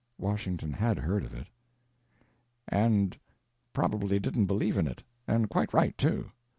Washington had heard of it. "And probably didn't believe in it; and quite right, too.